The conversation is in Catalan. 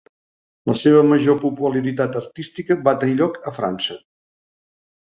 La seva major popularitat artística va tenir lloc a França.